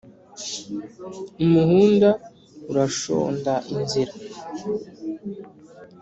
Umuhunda urashonda inzira